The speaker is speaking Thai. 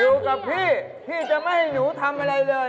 อยู่กับพี่พี่จะไม่ให้หนูทำอะไรเลย